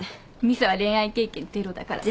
美砂は恋愛経験ゼロだから。